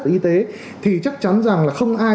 y tế thì chắc chắn rằng là không ai